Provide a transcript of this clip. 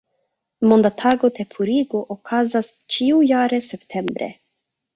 Monda Tago de Purigo okazas ĉiujare septembre.